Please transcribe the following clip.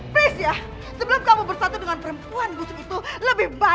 please ya sebelum kamu bersatu dengan perempuan busuk itu lebih baik kamu berdua